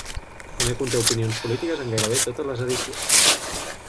També conté opinions polítiques en gairebé totes les edicions.